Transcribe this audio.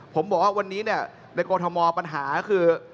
ผมบอกว่าในกลฯมทรมาว์ปัญหาคือ